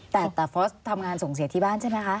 แต่ฟอสทำงานส่งเสียที่บ้านใช่ไหมคะ